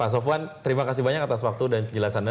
pak sofwan terima kasih banyak atas waktu dan penjelasannya